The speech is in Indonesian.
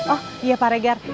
oh iya pak regar